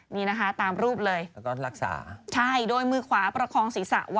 นี่นะคะตามรูปเลยใช่โดยมือขวาประคองศีรษะไว้